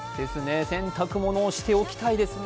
洗濯物をしておきたいですね。